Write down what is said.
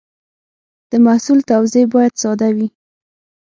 د محصول توضیح باید ساده وي.